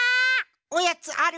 おやつある？